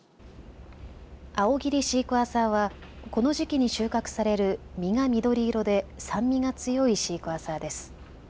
青切りシークヮーサーはこの時期に収穫され、実が緑色で酸味が強いシークヮーサーです。